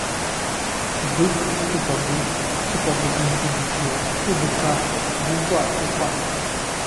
Бык тупогуб, тупогубенький бычок, у быка губа тупа.